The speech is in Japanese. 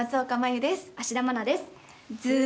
芦田愛菜です。